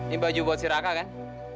ini baju buat si raka kan